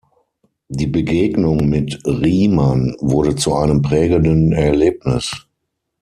Die Begegnung mit Riemann wurde zu einem prägenden Erlebnis.